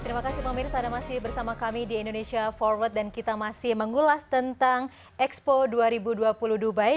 terima kasih pemirsa ada masih bersama kami di indonesia forward dan kita masih mengulas tentang expo dua ribu dua puluh dubai